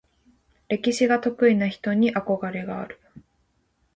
歴史が得意な人に憧れがある。